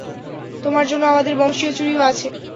তোমার জন্য আমাদের বংশীয় চুড়িও আছে।